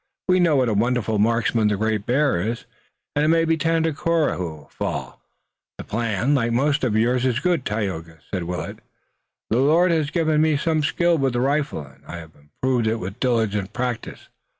We know what a wonderful marksman the Great Bear is, and it may be Tandakora who will fall." "The plan, like most of yours, is good, Tayoga," said Willet. "The Lord has given me some skill with the rifle, and I have improved it with diligent practice.